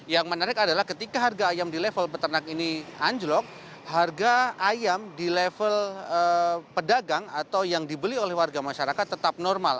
yang menarik adalah ketika harga ayam di level peternak ini anjlok harga ayam di level pedagang atau yang dibeli oleh warga masyarakat tetap normal